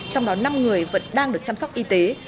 trong đó năm người vẫn đang được chăm sóc y tế